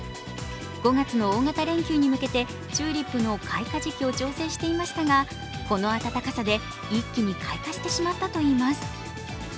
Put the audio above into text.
５月の大型連休に向けてチューリップの開花時期を調整していましたが、この暖かさで一気に開花してしまったといいます。